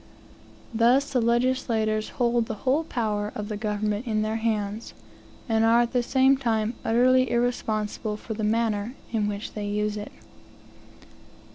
Thus the legislators hold the whole power of the government in their hands, and are at the same time utterly irresponsible for the manner in which they use it.